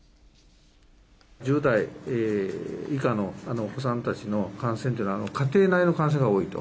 １０代以下のお子さんたちの感染というのは、家庭内の感染が多いと。